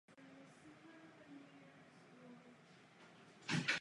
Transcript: Podle předsedy hnutí Andreje Babiše měla jiný názor na uprchlíky.